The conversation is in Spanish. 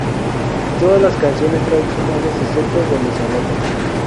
Todas las canciones tradicionales excepto donde se anota.